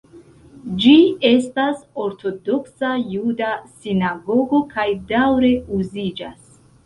Ĝi estas ortodoksa juda sinagogo kaj daŭre uziĝas.